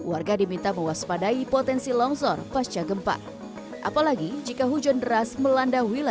warga diminta mewaspadai potensi longsor pasca gempa apalagi jika hujan deras melanda wilayah